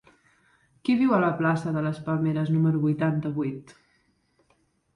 Qui viu a la plaça de les Palmeres número vuitanta-vuit?